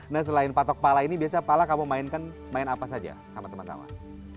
nah selain patok pala ini biasanya pala kamu mainkan main apa saja sama teman teman